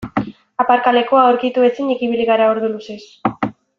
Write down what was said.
Aparkalekua aurkitu ezinik ibili gara ordu luzez.